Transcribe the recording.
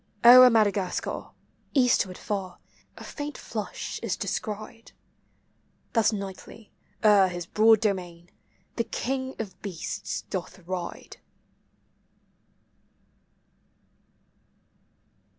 O'er Madagascar, eastward far. a faint flush is descried :— Thus nightly, o'er his broad domain, the king of beasts doth ride.